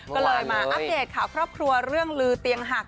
เมื่อวานเลยก็เลยมาอัปเดตข่าวครอบครัวเรื่องลือเตียงหัก